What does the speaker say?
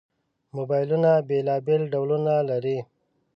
موبایلونه بېلابېل ډولونه لري.